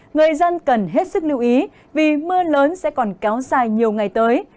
người dân cần hết sức lưu ý vì mưa lớn sẽ còn kéo dài nhiều ngày tới